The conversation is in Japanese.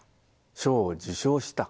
賞を受賞した。